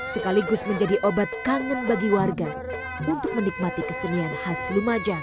sekaligus menjadi obat kangen bagi warga untuk menikmati kesenian khas lumajang